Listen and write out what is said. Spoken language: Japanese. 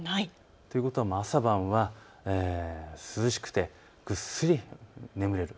ということは朝晩は涼しくて、ぐっすり眠れる。